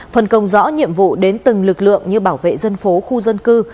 phần công rõ nhiệm vụ đến từng lực lượng như bảo vệ dân phố khu dân cư